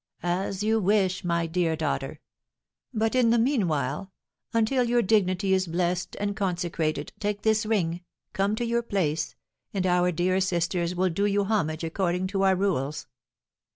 "As you wish, my dear daughter; but in the meanwhile, until your dignity is blessed and consecrated, take this ring, come to your place, and our dear sisters will do you homage according to our rules."